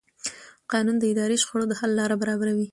قانون د اداري شخړو د حل لاره برابروي.